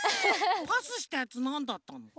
パスしたやつなんだったの？